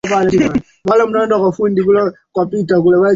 Yeye anapenda kulala zaidi.